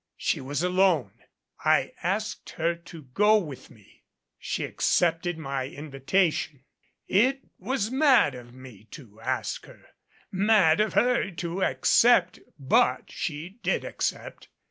She was alone. I asked her to go with me. She accepted my invitation. It was mad of me to ask her, mad of her to accept but she did accept.